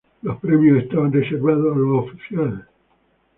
Los premios estaban reservados a los oficiales.